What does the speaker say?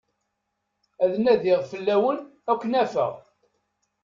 Ad nadiɣ fell-awen, ad ken-afeɣ.